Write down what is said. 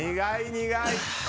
苦い。